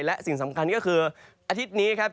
และสิ่งสำคัญก็คืออาทิตย์นี้ครับ